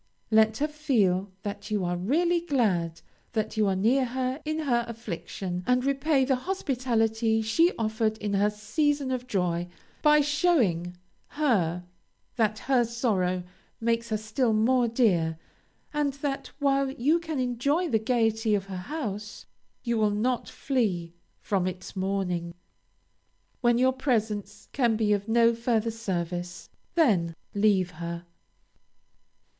Let her feel that you are really glad that you are near her in her affliction, and repay the hospitality she offered in her season of joy by showing her that her sorrow makes her still more dear, and that, while you can enjoy the gayety of her house, you will not flee from its mourning. When your presence can be of no further service, then leave her.